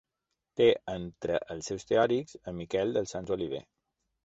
Té entre els seus teòrics a Miquel dels Sants Oliver.